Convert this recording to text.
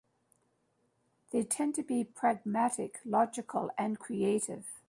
They tend to be pragmatic, logical, and creative.